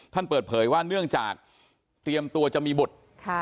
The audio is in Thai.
เปิดเผยว่าเนื่องจากเตรียมตัวจะมีบุตร